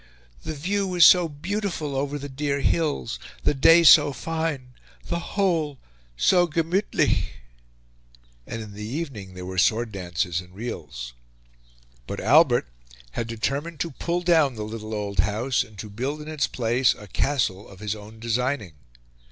The view was so beautiful over the dear hills; the day so fine; the whole so gemuthlich." And in the evening there were sword dances and reels. But Albert had determined to pull down the little old house, and to build in its place a castle of his own designing.